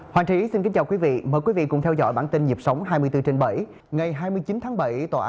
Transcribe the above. hãy đăng ký kênh để ủng hộ kênh của mình nhé